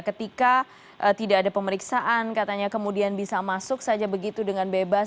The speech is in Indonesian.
ketika tidak ada pemeriksaan katanya kemudian bisa masuk saja begitu dengan bebas